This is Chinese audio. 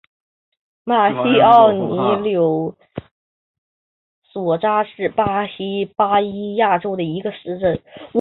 马西奥尼柳索扎是巴西巴伊亚州的一个市镇。